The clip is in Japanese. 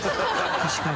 確かに。